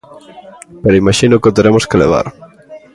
Pero imaxino que o teremos que levar.